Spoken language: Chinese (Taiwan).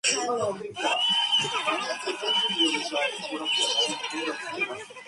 以為是誰的忌日